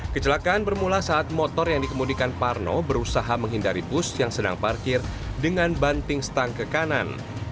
kecelakaan bermula saat motor yang dikemudikan parno berusaha menghindari bus yang sedang parkir dengan banting stang ke kanan